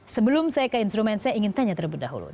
sebelum saya ke instrumen saya ingin tanya terlebih dahulu